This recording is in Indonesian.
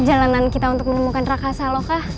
jalanan kita untuk menemukan raka saloka